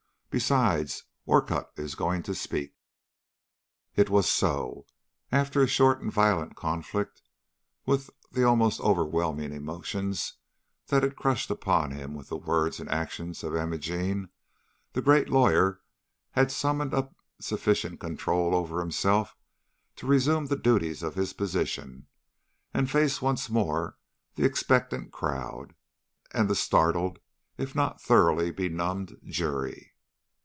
Besides, Orcutt is going to speak." It was so. After a short and violent conflict with the almost overwhelming emotions that had crushed upon him with the words and actions of Imogene, the great lawyer had summoned up sufficient control over himself to reassume the duties of his position and face once more the expectant crowd, and the startled, if not thoroughly benumbed, jury.